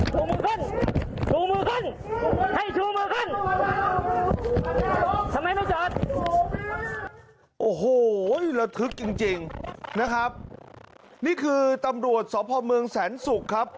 ทำไมไม่จัดโอ้โหระทึกจริงจริงนะครับนี่คือตำรวจสพเมืองแสนสุกครับ